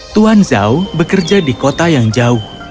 tuan zhao bekerja di kota yang jauh